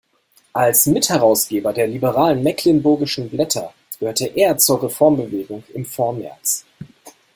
Als Mitherausgeber der liberalen "Mecklenburgischen Blätter" gehörte er zur Reformbewegung im Vormärz.